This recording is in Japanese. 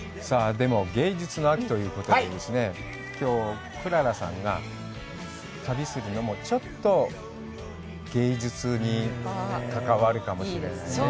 でも、芸術の秋ということで、きょう、くららさんが旅するのも、ちょっと芸術にかかわるかもしれないね。